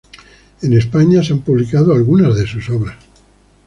En España se han publicado algunas de sus obras.